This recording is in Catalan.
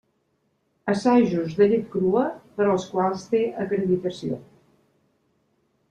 Assajos de llet crua per als quals té acreditació.